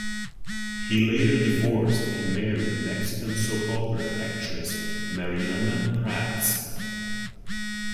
He later divorced and married Mexican soap-opera actress Mariagna Pratts.